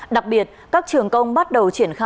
đặc biệt các trường công bắt đầu triển khai